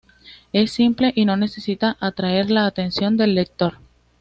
Es simple y no necesita atraer la atención del lector.